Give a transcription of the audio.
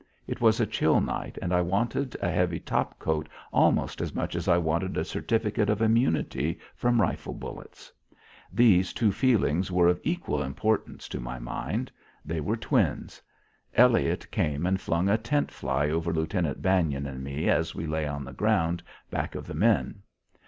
It was a chill night and I wanted a heavy top coat almost as much as I wanted a certificate of immunity from rifle bullets. These two feelings were of equal importance to my mind. They were twins. Elliott came and flung a tent fly over Lieutenant Bannon and me as we lay on the ground back of the men.